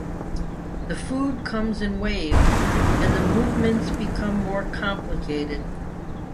The food comes in waves, and the movements become more complicated.